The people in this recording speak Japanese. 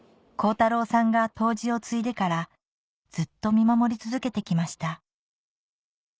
恒太朗さんが杜氏を継いでからずっと見守り続けてきました